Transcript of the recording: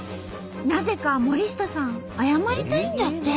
なぜか森下さん謝りたいんだって。